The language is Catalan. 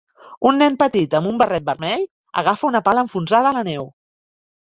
Un nen petit amb un barret vermell agafa una pala enfonsada a la neu.